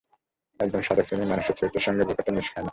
এক জন সাধকশ্রেণীর মানুষের চরিত্রের সঙ্গেও ব্যাপারটা মিশ খায় না।